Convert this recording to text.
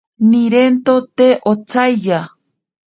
Nirento te otsaiya.